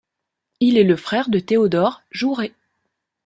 Il est le frère de Théodore Jouret.